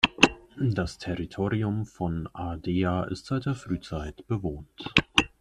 Das Territorium von Ardea ist seit der Frühzeit bewohnt.